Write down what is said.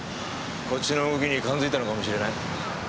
こっちの動きに感づいたのかもしれない。